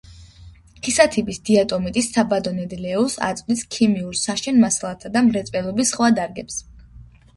ქისათიბის დიატომიტის საბადო ნედლეულს აწვდის ქიმიურ, საშენ მასალათა და მრეწველობის სხვა დარგებს.